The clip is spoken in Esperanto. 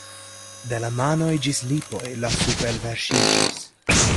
De la manoj ĝis lipoj la sup' elverŝiĝis.